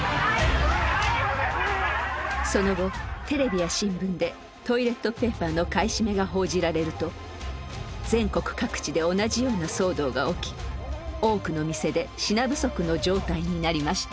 その後テレビや新聞でトイレットペーパーの買い占めが報じられると全国各地で同じような騒動が起き多くの店で品不足の状態になりました。